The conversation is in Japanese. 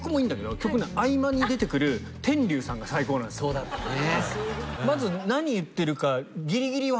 そうだったね。